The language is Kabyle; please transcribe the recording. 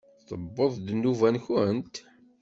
Tewweḍ-d nnuba-nkent?